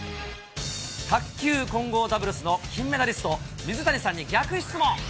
卓球混合ダブルスの金メダリスト、水谷さんに逆質問。